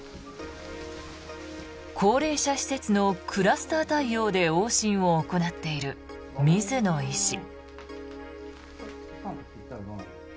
高齢者施設のクラスター対応で往診を行っている水野医師。